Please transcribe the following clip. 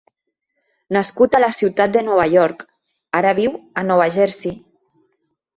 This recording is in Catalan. Nascut a la ciutat de Nova York, ara viu a Nova Jersey.